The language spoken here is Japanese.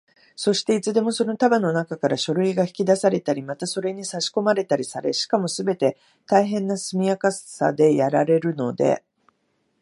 そして、いつでもその束のなかから書類が引き出されたり、またそれにさしこまれたりされ、しかもすべて大変な速さでやられるので、